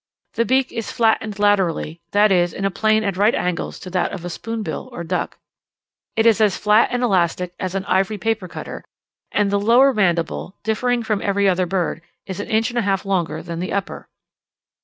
The beak is flattened laterally, that is, in a plane at right angles to that of a spoonbill or duck. It is as flat and elastic as an ivory paper cutter, and the lower mandible, differing from every other bird, is an inch and a half longer than the upper.